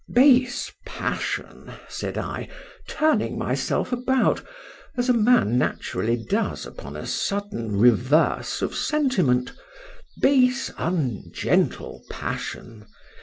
—Base passion! said I, turning myself about, as a man naturally does upon a sudden reverse of sentiment,—base, ungentle passion!